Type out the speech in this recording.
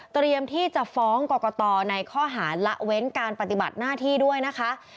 เตรียมที่จะฟ้องกรกตในข้อหาละเว้นการปฏิบัติหน้าที่ด้วยนะคะ